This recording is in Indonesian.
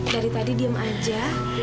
dari tadi diam aja